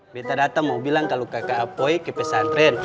beta data mau bilang kalo kakak apoi ke pesantren